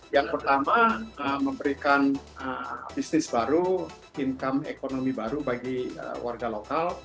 yang pertama memberikan bisnis baru income ekonomi baru bagi warga lokal